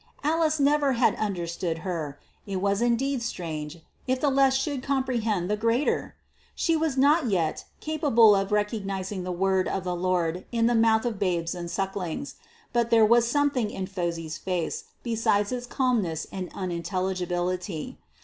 Alice never had understood her: it were indeed strange if the less should comprehend the greater! She was not yet, capable of recognising the word of the Lord in the mouth of babes and sucklings. But there was a something in Phosy's face besides its calmness and unintelligibility.